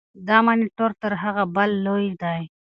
دا مانیټور تر هغه بل لوی دی.